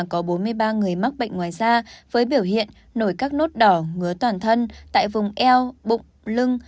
có bốn mươi ba người mắc bệnh ngoài da với biểu hiện nổi các nốt đỏ ngứa toàn thân tại vùng eo bụng lưng